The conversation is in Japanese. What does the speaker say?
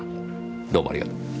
どうもありがとう。